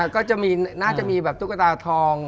ก็น่าจะมีแบบตุ๊กตาทอง